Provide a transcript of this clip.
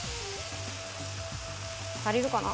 足りるかな？